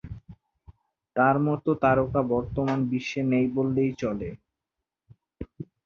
তার মতো তারকা বর্তমান বিশ্বে নেই বললেই চলে।